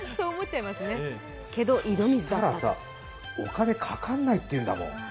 そしたらさ、お金かかんないって言うんだもん。